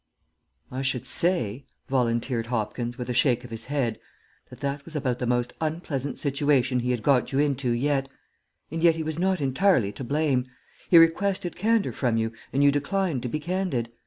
"I SHOULD say," volunteered Hopkins, with a shake of his head, "that that was about the most unpleasant situation he had got you into yet; and yet he was not entirely to blame. He requested candour from you, and you declined to be candid.